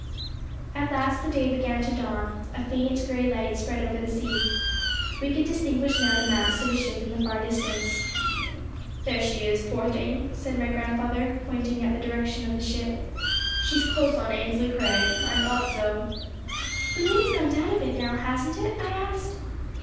At last the day began to dawn; a faint grey light spread over the sea. We could distinguish now the masts of a ship in the far distance. 'There she is, poor thing!' said my grandfather, pointing in the direction of the ship. 'She's close on Ainslie Crag I thought so!' 'The wind's gone down a bit now, hasn't it?' I asked.